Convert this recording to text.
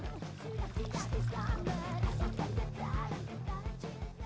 lihat tuh si dewi akal akalan dia